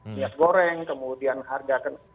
minyak goreng kemudian harga